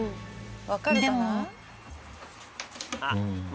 でも。